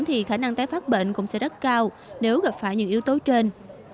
thì khả năng tái phát bệnh cũng sẽ rất cao nếu gặp phải những yếu tố trên